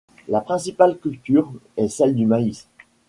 La principale culture est celle du maïs.